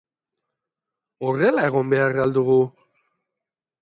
Horrela egon behar al dugu?